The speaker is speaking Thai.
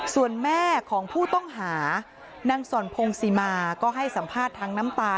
ส่วนแม่ของผู้ต้องหานางส่อนพงศิมาก็ให้สัมภาษณ์ทั้งน้ำตา